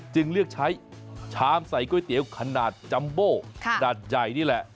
จึงเลือกใช้ชามใส่ก๋วยเตี๋ยวขนาดจัมโบขนาดใหญ่นี่แหละ